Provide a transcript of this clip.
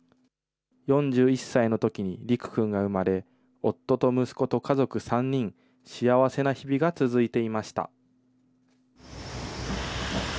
４１歳のときに利久君が生まれ、夫と息子と家族３人、幸せな日々が続いていました。